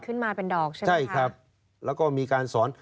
ขึ้นมาเป็นดอกใช่ไหมใช่ครับแล้วก็มีการสอน